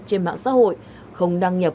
trên mạng xã hội không đăng nhập